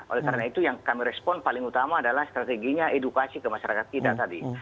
oleh karena itu yang kami respon paling utama adalah strateginya edukasi ke masyarakat kita tadi